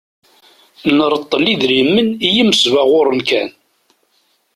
Nreṭṭel idrimen i yimesbaɣuren kan.